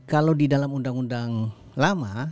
kalau di dalam undang undang lama